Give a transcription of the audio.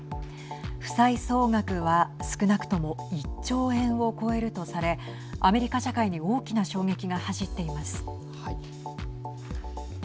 負債総額は少なくとも１兆円を超えるとされアメリカ社会に大きな衝撃が走っています。